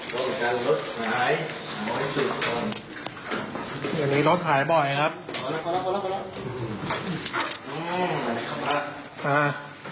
รถหายบ่อยครับอ๋อแล้วแล้วแล้วแล้วแล้ว